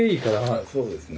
そうですね。